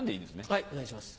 はいお願いします。